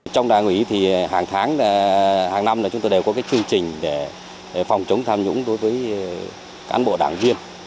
trong đảng ủy hàng tháng hàng năm chúng tôi đều có chương trình để phòng chống tham nhũng đối với cán bộ đảng viên